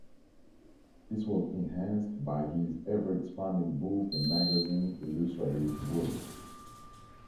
This was enhanced by his ever expanding book and magazine illustrative work.